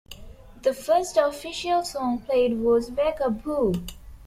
The first official song played was Wake Up Boo!